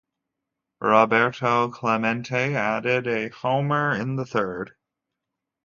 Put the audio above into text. Roberto Clemente added a homer in the third.